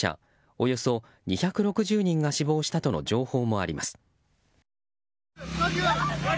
およそ２６０人が死亡したとの情報もあります。